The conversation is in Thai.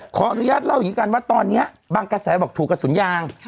ขออนุญาตเล่าอย่างนี้กันว่าตอนนี้บางกระแสบอกถูกกระสุนยาง